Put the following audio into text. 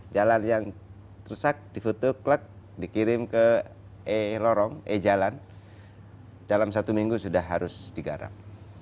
jalan yang rusak difoto klek dikirim ke e lorong e jalan dalam satu minggu sudah harus digarap